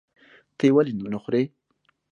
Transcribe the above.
ته یې ولې نخورې؟